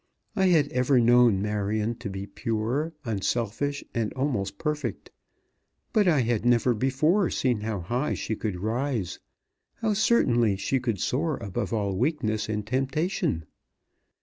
I had ever known Marion to be pure, unselfish, and almost perfect. But I had never before seen how high she could rise, how certainly she could soar above all weakness and temptation.